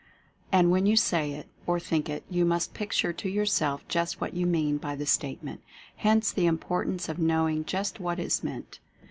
And when you say it, or think it, you must picture to yourself just what you mean by the statement, hence the importance of knowing just what is meant.